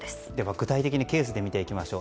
具体的にケースで見ていきましょう。